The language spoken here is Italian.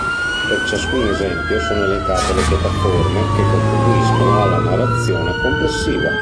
Per ciascun esempio sono elencate le piattaforme che contribuiscono alla narrazione complessiva.